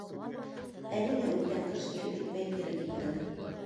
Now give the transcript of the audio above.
— Ә ниңә үткән ҡыш килеп етмәй, кире киттең?